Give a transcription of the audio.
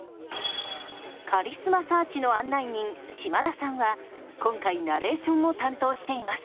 カリスマサーチの案内人嶋田さんは今回ナレーションも担当しています。